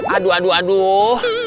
aduh aduh aduh